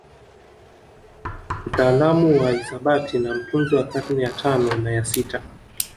Mtaalamu wa hisabati na mtunzi wa karne ya tano na ya sita